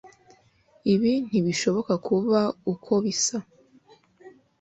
ibi ntibishobora kuba uko bisa